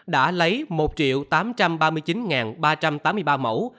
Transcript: đã lấy một tám trăm ba mươi chín ba trăm tám mươi ba mẫu